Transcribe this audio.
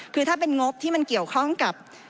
คือถ้าเป็นงบที่มันเกี่ยวข้องกับ